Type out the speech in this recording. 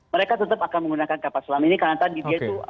mereka tetap akan menggunakan kapal selam ini karena tadi dia itu